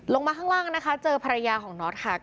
ลงมาข้างล่างนะคะเจอภรรยาของน็อตค่ะ